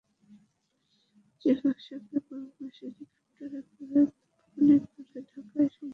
চিকিৎসকদের পরামর্শে হেলিকপ্টারে করে তাত্ক্ষণিক তাঁকে ঢাকায় সম্মিলিত সামরিক হাসপাতালে নেওয়া হয়।